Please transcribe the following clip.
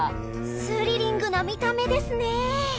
スリリングな見た目ですねえ。